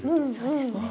そうですね